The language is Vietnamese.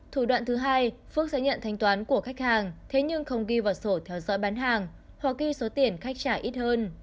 thủ đoạn thứ hai phước sẽ nhận thanh toán của khách hàng thế nhưng không ghi vào sổ theo dõi bán hàng hoặc ghi số tiền khách trả ít hơn